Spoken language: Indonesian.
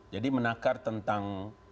jadi menakar tentang